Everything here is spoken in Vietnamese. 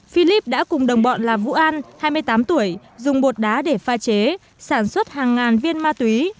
philip đã cùng đồng bọn là vũ an hai mươi tám tuổi dùng bột đá để pha chế sản xuất hàng ngàn viên ma túy